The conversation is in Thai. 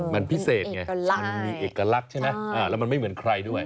มันพิเศษไงมันมีเอกลักษณ์ใช่ไหมแล้วมันไม่เหมือนใครด้วย